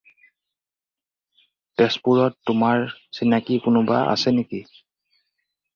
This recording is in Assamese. তেজপুৰত তোমাৰ চিনাকি কোনোবা আছে নেকি?